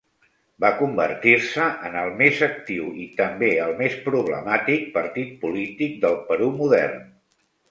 Va convertir-se en el més actiu i també el més problemàtic partit polític del Perú modern.